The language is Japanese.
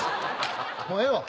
もうええわ。